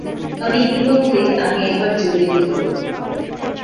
তবে ইতিমধ্যে আমি একবার- যোগেন্দ্র।